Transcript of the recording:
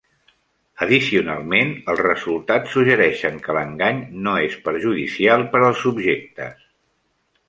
Addicionalment, els resultats suggereixen que l'engany no és perjudicial per als subjectes.